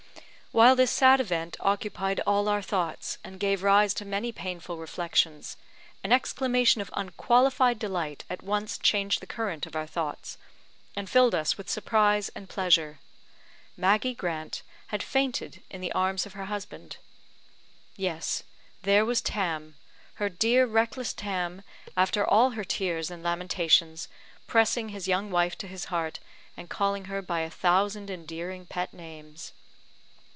While this sad event occupied all our thoughts, and gave rise to many painful reflections, an exclamation of unqualified delight at once changed the current of our thoughts, and filled us with surprise and pleasure. Maggie Grant had fainted in the arms of her husband. Yes, there was Tam her dear, reckless Tam, after all her tears and lamentations, pressing his young wife to his heart, and calling her by a thousand endearing pet names.